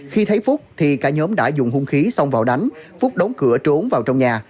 khi thấy phúc thì cả nhóm đã dùng hung khí xông vào đánh phúc đóng cửa trốn vào trong nhà